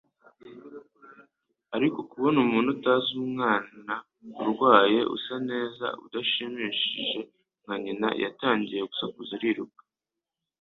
Ariko kubona umuntu utazi umwana urwaye, usa neza, udashimishije nka nyina, yatangiye gusakuza ariruka.